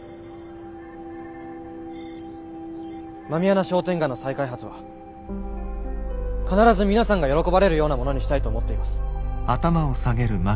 狸穴商店街の再開発は必ず皆さんが喜ばれるようなものにしたいと思っています。